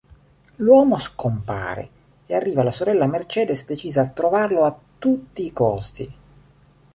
L'uomo scompare e arriva la sorella Mercedes decisa a trovarlo a tutti i costi.